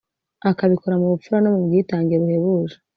akabikora mu bupfura no mu bwitange buhebuje